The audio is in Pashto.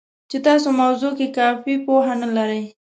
چې تاسې موضوع کې کافي پوهه نه لرئ